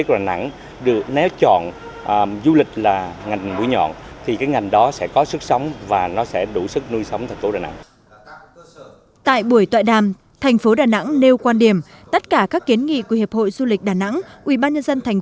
tại buổi tọa đàm có nhiều ý kiến tranh luận trái chiều xung quanh kiến nghị giữ nguyên hiện trạng